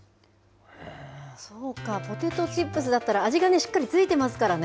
そうか、ポテトチップスだったら味がしっかり付いてますからね。